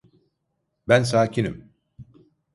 Ben sakinim!